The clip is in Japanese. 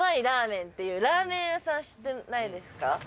ラーメンっていうラーメン屋さん知ってないですか？